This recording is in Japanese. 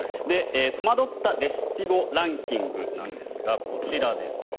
戸惑ったレシピ語ランキングなんですがこちらです。